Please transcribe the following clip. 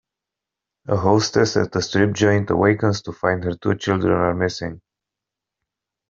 A hostess at a strip joint awakens to find her two children are missing.